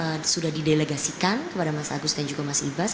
kemudian sudah di delegasikan kepada mas agus dan juga mas ibas